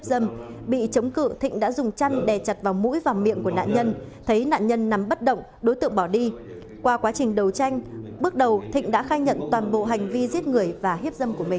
các bạn hãy đăng ký kênh để ủng hộ kênh của chúng mình nhé